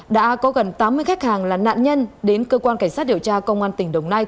đã có gần tám mươi khách hàng là nạn nhân đến cơ quan cảnh sát điều tra công an tỉnh đồng nai